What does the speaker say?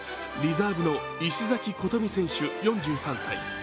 リザーブの石崎琴美選手、４３歳。